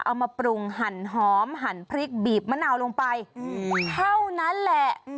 เอามาปรุงหั่นหอมหั่นพริกบีบมะนาวลงไปเท่านั้นแหละ